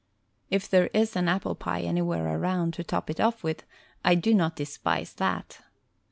If there is an apple pie an}rwhere around to top it off with, I do not despise that.